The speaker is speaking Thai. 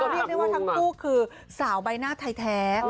เรียกได้ว่าทั้งคู่คือสาวใบหน้าแท้